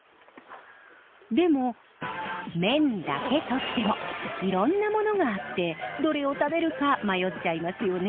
でも麺だけとってもいろんなものがあってどれを食べるか迷っちゃいますよね。